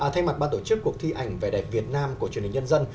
thay mặt ban tổ chức cuộc thi ảnh vẻ đẹp việt nam của truyền hình nhân dân